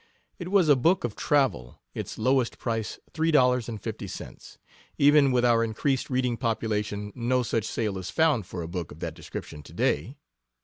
It was a book of travel, its lowest price three dollars and fifty cents. Even with our increased reading population no such sale is found for a book of that description to day.